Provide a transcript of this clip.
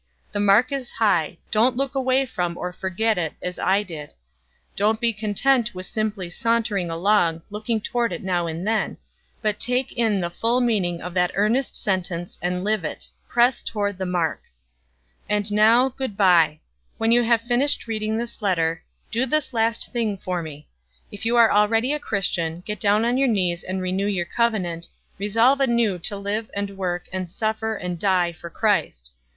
The mark is high; don't look away from or forget it, as I did; don't be content with simply sauntering along, looking toward it now and then, but take in the full meaning of that earnest sentence, and live it 'Press toward the mark!' "And now good by. When you have finished reading this letter, do this last thing for me: If you are already a Christian, get down on your knees and renew your covenant; resolve anew to live and work, and suffer and die, for Christ.